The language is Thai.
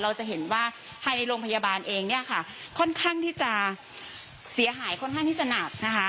เราจะเห็นว่าภายในโรงพยาบาลเองเนี่ยค่ะค่อนข้างที่จะเสียหายค่อนข้างที่จะหนักนะคะ